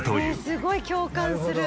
すごい共感する。